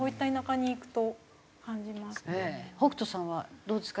北斗さんはどうですか？